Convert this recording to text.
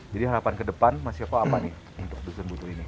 jadi harapan ke depan masih apa apa nih untuk dusun butuh ini